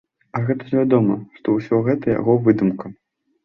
А гэта ж вядома, што ўсё гэта яго выдумка.